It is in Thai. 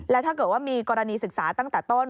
และถ้าเกิดว่ามีกรณีศึกษาตั้งแต่ต้น